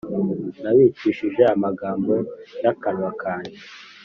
Nabicishije amagambo y akanwa kanjye .